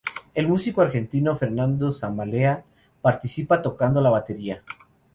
El músico argentino Fernando Samalea participa tocando la batería.